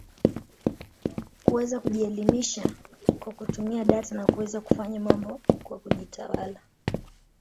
kuweza kujielimisha kwa kutumia data na kuweza kufanya mambo kwa kujitawala